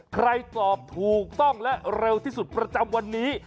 ใครตอบถูกต้องและเร็วที่สุดประจำวันนี้